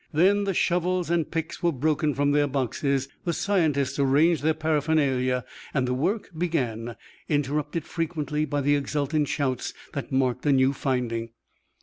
Then the shovels and picks were broken from their boxes; the scientists arranged their paraphernalia, and the work began, interrupted frequently by the exultant shouts that marked a new finding.